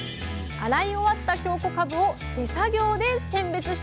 洗い終わった京こかぶを手作業で選別していきます。